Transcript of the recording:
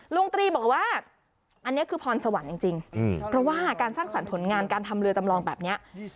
ตรีบอกว่าอันนี้คือพรสวรรค์จริงเพราะว่าการสร้างสรรค์ผลงานการทำเรือจำลองแบบนี้